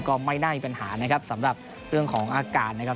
ก็ไม่น่ามีปัญหานะครับสำหรับเรื่องของอาการนะครับ